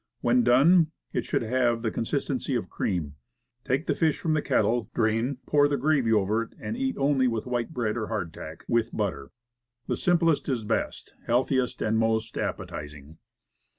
When done, it should have the con sistence of cream. Take the fish from the kettle, drain, pour the gravy over it, and eat only with wheat bread or hard tack, with butter. The sim plest is best, healthiest, and most appetizing.